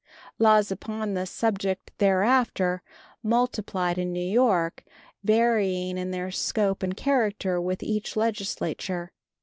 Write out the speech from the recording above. Laws upon this subject thereafter multiplied in New York, varying in their scope and character with every Legislature.